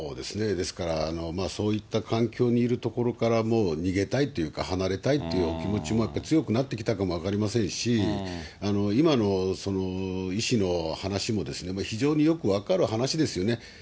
ですから、そういった環境にいる所から逃げたいというか、離れたいというお気持ちもやっぱり強くなってきたかも分かりませんし、今の医師の話も、非常によく分かる話ですよね。